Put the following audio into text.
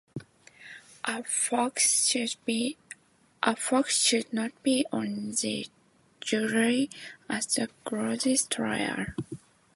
A fox should not be of the jury at a goose's trial.